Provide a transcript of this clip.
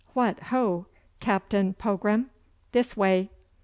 What ho, Captain Pogram, this way!